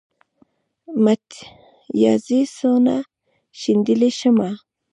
متيازې څونه شيندلی شمه.